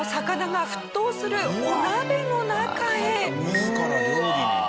自ら料理に。